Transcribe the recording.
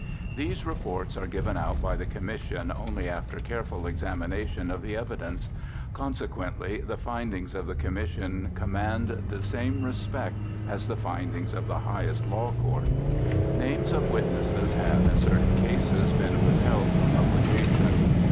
These reports are given out by the Commission only after careful examination of the evidence. Consequently the findings of the Commission command the same respect as the findings of the highest Law Court. Names of witnesses have, in certain cases, been withheld from publication.